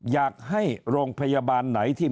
อยากให้โรงพยาบาลไหนที่